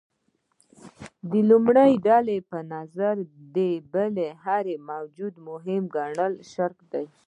د لومړۍ ډلې په نظر د بل هر موجود مهم ګڼل شرک دی.